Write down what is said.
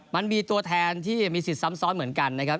มันมีตัวแทนที่มีสิทธิ์ซ้ำซ้อนเหมือนกันนะครับ